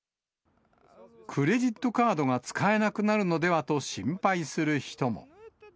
クレジットカードが使えなくなるのではと心配する人も。